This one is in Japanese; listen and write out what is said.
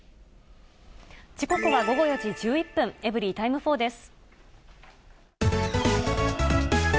時刻は午後４時１１分、エブリィタイム４です。